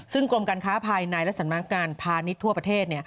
ซึ่งกรมการค้าภายในและสรรมาการพาณิชย์ทั่วประเทศ